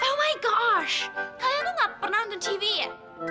kalian tuh nggak pernah nonton tv ya